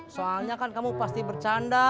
soalnya kan kamu pasti bercanda